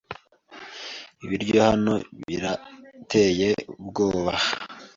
Ibiryo hano birateye ubwoba.